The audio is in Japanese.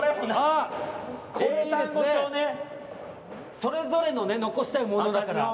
それぞれの残したいものだから。